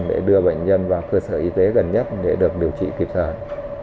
để đưa bệnh nhân vào cơ sở y tế gần nhất để được điều trị kịp thời